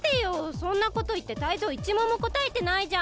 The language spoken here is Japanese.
そんなこといってタイゾウ１問もこたえてないじゃん！